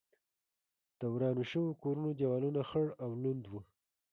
د ورانو شوو کورونو دېوالونه خړ او لوند و.